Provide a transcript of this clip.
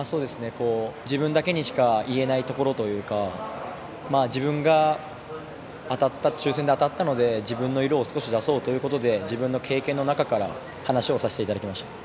自分だけにしか言えないところというか自分が抽選で当たったので自分の色を出そうということで自分の経験の中から話をさせていただきました。